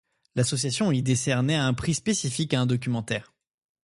L'association y décernait un prix spécifique à un documentaire.